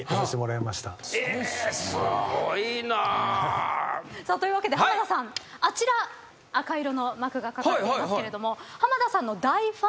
すごいな。というわけで浜田さんあちら赤色の幕がかかっていますけれども。